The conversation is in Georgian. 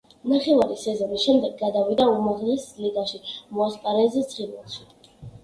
ნახევარი სეზონის შემდეგ გადავიდა უმაღლეს ლიგაში მოასპარეზე „ცხინვალში“.